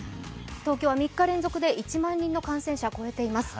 東京は３日連続で１万人の感染者、超えています。